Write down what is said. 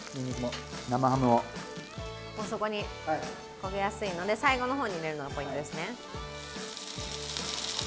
焦げやすいので、最後の方に入れるのがポイントですね。